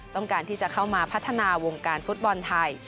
ต้องการที่จะเข้ามาพัฒนาวงการฟุตบอลไทย